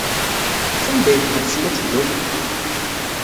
Sanda ay tɣetsem ad teddum?